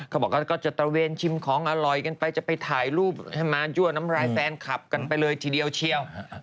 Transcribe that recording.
บอกว่าก็จะตระเวนชิมของอร่อยกันไปจะไปถ่ายรูปให้มายั่วน้ำรายแฟนคลับกันไปเลยทีเดียวเชียว